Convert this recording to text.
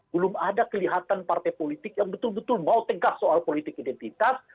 belum ada kelihatan partai politik yang betul betul mau tegas soal politik identitas